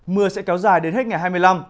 mưa sẽ kéo dài đến hết ngày hai mươi năm